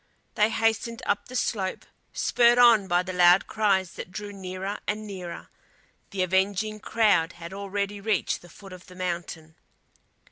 They hastened up the slope, spurred on by the loud cries that drew nearer and nearer. The avenging crowd had already reached the foot of the mountain.